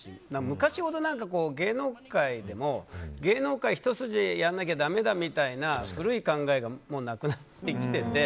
昔ほど、芸能界でも芸能界一筋でやらなきゃだめだみたいな古い考えはもうなくなってきてて。